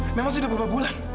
memang sudah beberapa bulan